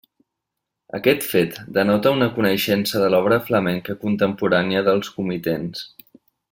Aquest fet denota una coneixença de l'obra flamenca contemporània dels comitents.